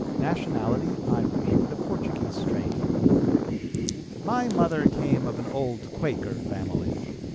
Nationality, Irish, with a Portuguese strain. "My mother came of an old Quaker family.